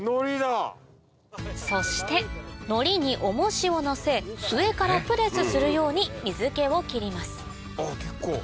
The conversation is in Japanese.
そしてのりに重しを載せ上からプレスするように水気を切ります